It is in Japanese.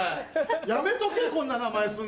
やめとけこんな名前にすんの。